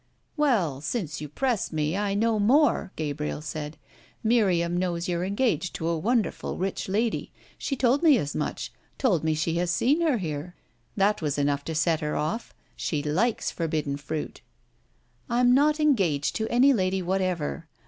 "Well, since you press me, I know more," Gabriel said. "Miriam knows you're engaged to a wonderful, rich lady; she told me as much, told me she had seen her here. That was enough to set her off she likes forbidden fruit." "I'm not engaged to any lady whatever.